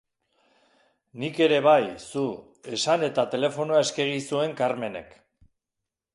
Nik ere bai zu, esan eta telefonoa eskegi zuen Karmenek.